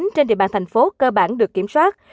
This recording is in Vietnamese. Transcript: trên địa bàn thành phố cơ bản được kiểm soát